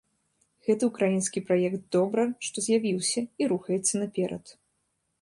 Гэты ўкраінскі праект добра, што з'явіўся і рухаецца наперад.